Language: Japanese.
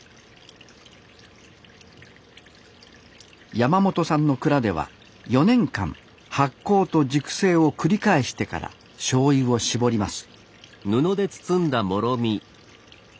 山本さんの蔵では４年間発酵と熟成を繰り返してからしょうゆを搾ります